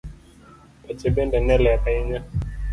Pache bende ne ler ahinya